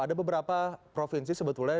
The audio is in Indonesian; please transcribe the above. ada beberapa provinsi sebetulnya